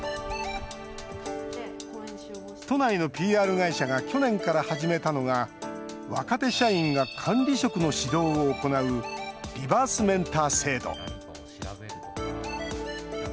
都内のＰＲ会社が去年から始めたのが若手社員が管理職の指導を行うリバースメンター制度。